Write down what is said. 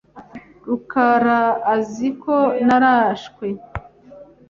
rukaraazi ko narashwe.